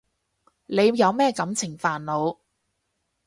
你有咩感情煩惱？